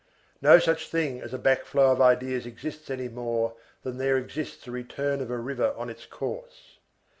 No such thing as a back flow of ideas exists any more than there exists a return of a river on its course.